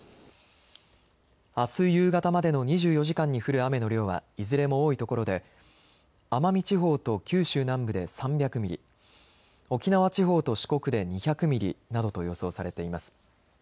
あす夕方までの２４時間に降る雨の量はいずれも多いところで奄美地方と九州南部で３００ミリ、沖縄地方と四国で２００ミリなどと予想されています。